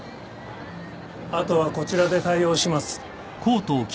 ・あとはこちらで対応します。